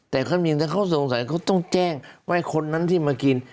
แต่เขามีแต่เขาสงสัยเขาต้องแจ้งว่าคนนั้นที่มากิน